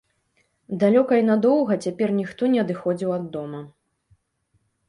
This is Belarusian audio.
Далёка і надоўга цяпер ніхто не адыходзіў ад дома.